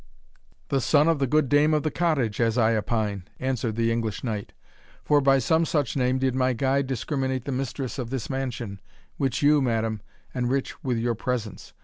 "The son of the good dame of the cottage, as I opine," answered the English knight; "for by some such name did my guide discriminate the mistress of this mansion, which you, madam, enrich with your presence.